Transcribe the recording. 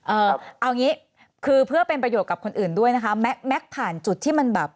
เอางี้คือเพื่อเป็นประโยชน์กับคนอื่นด้วยนะคะแม็กแม็กซ์ผ่านจุดที่มันแบบ